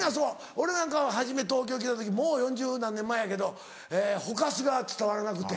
俺なんかは初め東京来た時もう４０何年前やけど「ほかす」が伝わらなくて。